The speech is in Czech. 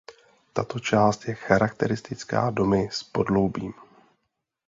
Tato část je charakteristická domy s podloubím.